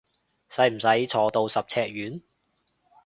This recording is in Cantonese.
使唔使坐到十尺遠？